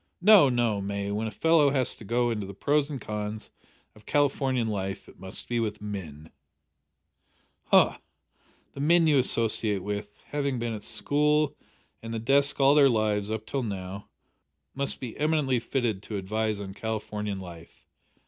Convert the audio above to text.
No, no, May, when a fellow has to go into the pros and cons of Californian life it must be with men." "H'm! the men you associate with, having been at school and the desk all their lives up till now, must be eminently fitted to advise on Californian life!